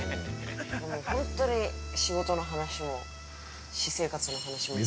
本当に、仕事の話も私生活の話も全部。